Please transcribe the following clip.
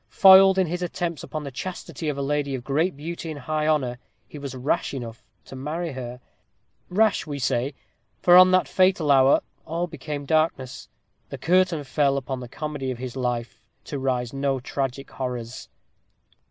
Foiled in his attempts upon the chastity of a lady of great beauty and high honor, he was rash enough to marry her; rash, we say, for from that fatal hour all became as darkness; the curtain fell upon the comedy of his life, to rise to tragic horrors.